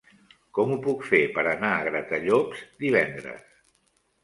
Com ho puc fer per anar a Gratallops divendres?